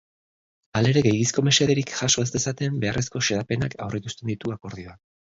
Halere, gehiegizko mesederik jaso ez dezaten beharrezko xedapenak aurreikusten ditu akordioak.